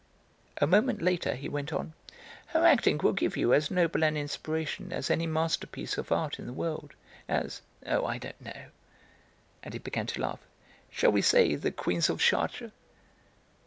A moment later he went on: "Her acting will give you as noble an inspiration as any masterpiece of art in the world, as oh, I don't know " and he began to laugh, "shall we say the Queens of Chartres?"